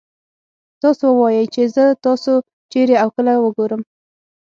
تاسو ووايئ چې زه تاسو چېرې او کله وګورم.